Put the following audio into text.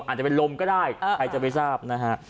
อาจจะเป็นลมก็ได้ใครจะไปทราบนะฮะ